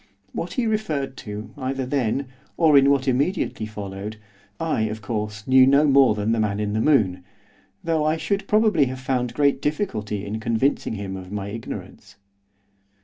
What he referred to either then, or in what immediately followed, I, of course, knew no more than the man in the moon, though I should probably have found great difficulty in convincing him of my ignorance.